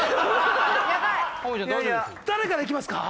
誰からいきますか？